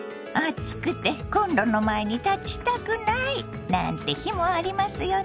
「暑くてコンロの前に立ちたくない」なんて日もありますよね。